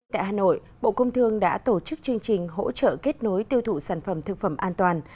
tại hà nội bộ công thương đã tổ chức chương trình hỗ trợ kết nối tiêu thụ sản phẩm thực phẩm an toàn